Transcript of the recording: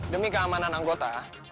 demi keamanan anggota